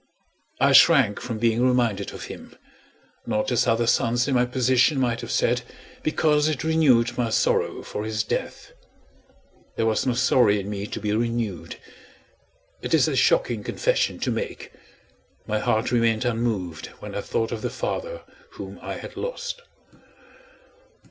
I shrank from being reminded of him not as other sons in my position might have said, because it renewed my sorrow for his death. There was no sorrow in me to be renewed. It is a shocking confession to make: my heart remained unmoved when I thought of the father whom I had lost.